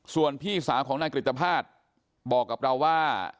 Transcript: ส่วนพี่สาวของนายกฤตภาษณ์บอกกับเราว่า